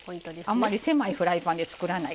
あんまり狭いフライパンで作らない。